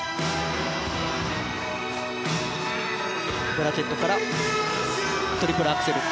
ブラケットからトリプルアクセル。